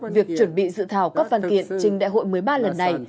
việc chuẩn bị dự thảo các văn kiện trình đại hội một mươi ba lần này